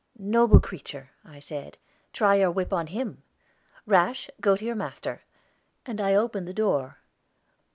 "Noble creature," I said, "try your whip on him. Rash, go to your master," and I opened the door.